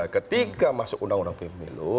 ketika masuk undang undang pemilu